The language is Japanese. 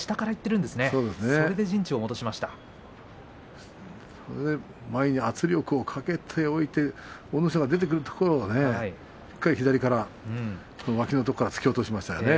それで圧力をかけておいて阿武咲が出てくるところを左から脇のところから突き落としましたね。